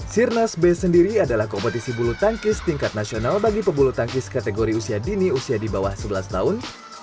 sirnas b sendiri adalah kompetisi bulu tangkis tingkat nasional bagi pebulu tangkis kategori usia dini usia di bawah sebelas tahun